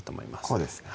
こうですね